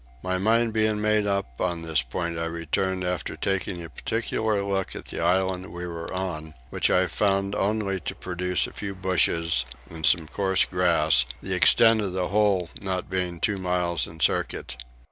My mind being made up on this point I returned after taking a particular look at the island we were on, which I found only to produce a few bushes and some coarse grass, the extent of the whole not being two miles in circuit.